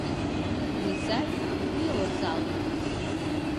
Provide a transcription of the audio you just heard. Ни сай, ни осал.